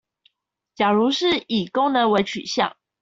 假如是以功能為取向